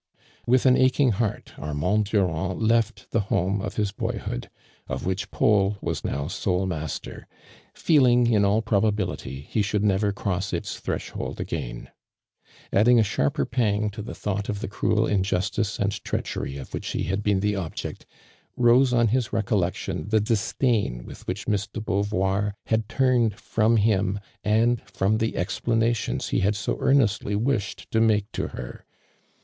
With an aching heart, Armand Dui and left the home of his boyhood, of wl^ich Paul wae now sole mat^ter, feeliqg, in all probability, he ahoukl never o.row iti* threshold again. Adding a ahari>pr pang to the thought of the cruel injustice and treachery <rf which he had b«en the object, rose on his recollection (he disdain with which Miss de Beauvoir hwl turneil from hun and from the explanations he hod so earnestly wished to make to h«r.